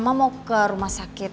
mama mau ke rumah sakit